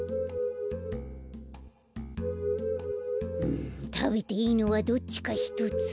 うんたべていいのはどっちかひとつ。